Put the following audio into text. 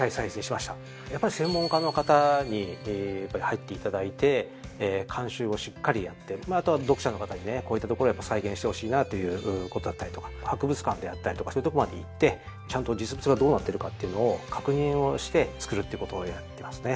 やっぱり専門家の方に入っていただいて監修をしっかりやってあとは読者の方にねこういった所は再現してほしいなということだったりとか博物館であったりとかそういうとこまで行ってちゃんと実物がどうなってるかっていうのを確認をして作るってことをやってますね。